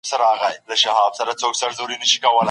حساب کتاب مې په کمپیوټر کې دی.